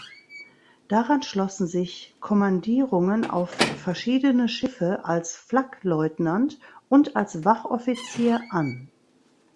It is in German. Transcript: Daran schlossen sich Kommandierungen auf verschiedene Schiffe als Flaggleutnant und als Wachoffizier an.